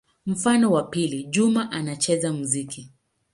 Mfano wa pili: Juma anacheza muziki.